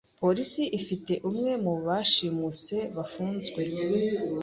Polisi ifite umwe mu bashimuse bafunzwe.